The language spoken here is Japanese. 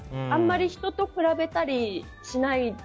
あまり人と比べたりしない。